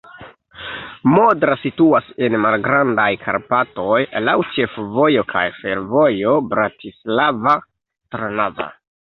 Modra situas en Malgrandaj Karpatoj, laŭ ĉefvojo kaj fervojo Bratislava-Trnava.